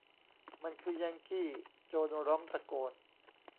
มันคือแยงกี้ โจนร้องตะโกน